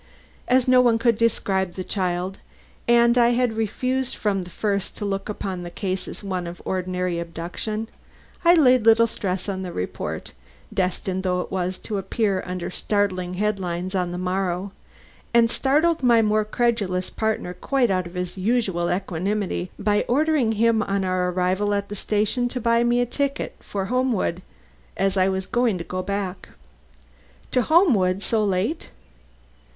As no one could describe this child and as I had refused from the first to look upon this case as one of ordinary abduction, I laid little stress on the report, destined though it was to appear under startling head lines on the morrow, and startled my more credulous partner quite out of his usual equanimity, by ordering him on our arrival at the station to buy me a ticket for , as I was going back to Homewood. "To Homewood, so late!"